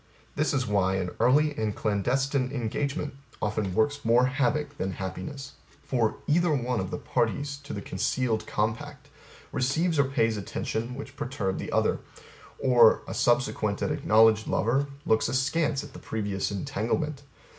This is why An early and clandestine engagement often works more havoc than happiness. For Either, one of the parties to the concealed compact receives or pays attention which perturb the other; or, a subsequent and acknowledged lover looks askance at the previous entanglement.